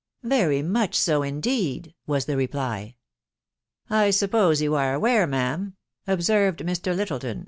<c Very much so, indeed !" was the reply. " I suppose yomare aware, ma'am," observed Mr. Littleton?